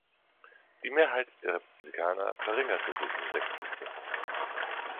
Die Mehrheit der Republikaner verringerte sich um sechs Sitze.